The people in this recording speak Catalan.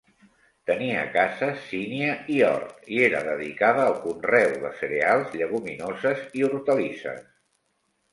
Tenia cases, sínia i hort i era dedicada al conreu de cereals, lleguminoses i hortalisses.